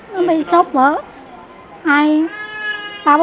nó bị chóc bỡ hai ba bốn bỡ này rồi đó